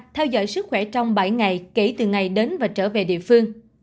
theo dõi sức khỏe trong bảy ngày kể từ ngày đến và trở về địa phương